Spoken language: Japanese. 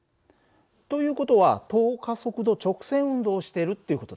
という事は等加速度直線運動をしてるっていう事だ。